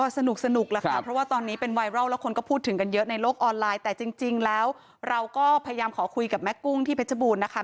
สนุกแล้วค่ะเพราะว่าตอนนี้เป็นไวรัลแล้วคนก็พูดถึงกันเยอะในโลกออนไลน์แต่จริงแล้วเราก็พยายามขอคุยกับแม่กุ้งที่เพชรบูรณ์นะคะ